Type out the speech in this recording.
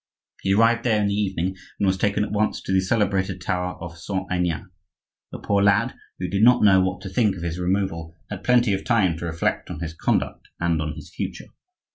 He arrived there in the evening and was taken at once to the celebrated tower of Saint Aignan. The poor lad, who did not know what to think of his removal, had plenty of time to reflect on his conduct and on his future.